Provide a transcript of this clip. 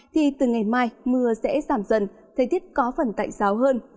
thì từ ngày mai mưa sẽ giảm dần thời tiết có phần tại rào hơn